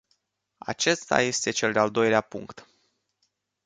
Acesta este cel de-al doilea punct.